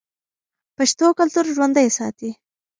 پښتو کلتور ژوندی ساتي.